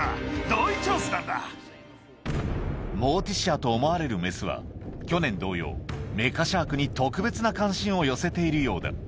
モーティシアと思われるメスは去年同様メカシャークに特別な関心を寄せているようだ